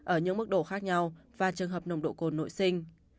ở những mức độ khác nhau và trường hợp nồng độ cồn nội sinh